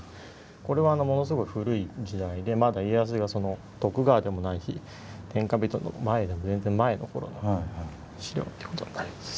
これはものすごく古い時代でまだ家康が徳川でもない日天下人の前全然前の頃の資料ってことになります。